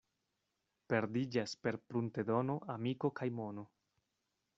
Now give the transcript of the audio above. Perdiĝas per pruntedono amiko kaj mono.